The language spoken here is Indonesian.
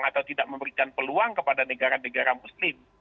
atau tidak memberikan peluang kepada negara negara muslim